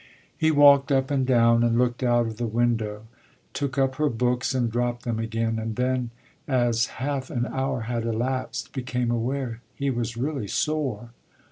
He walked up and down and looked out of the window, took up her books and dropped them again, and then, as half an hour had elapsed, became aware he was really sore.